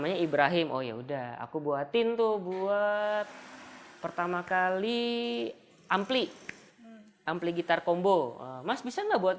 nah ini juga yang saya ingin kasih tau